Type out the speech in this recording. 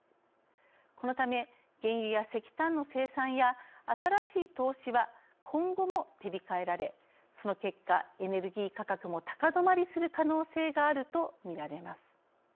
このため原油や石炭の生産や新しい投資は今後も手控えられその結果エネルギー価格も高止まりする可能性があるとみられます。